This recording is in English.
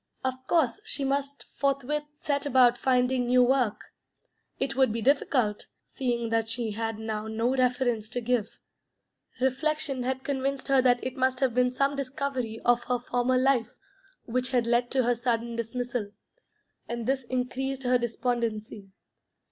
Of course she must forthwith set about finding new work. It would be difficult, seeing that she had now no reference to give. Reflection had convinced her that it must have been some discovery of her former life which had led to her sudden dismissal, and this increased her despondency.